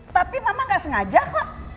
tapi mama gak sengaja kok